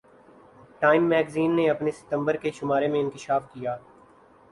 time magazine نے اپنے ستمبر کے شمارے میں انکشاف کیا